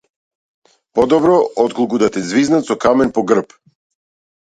Подобро отколку да те ѕвизнат со камен по грб.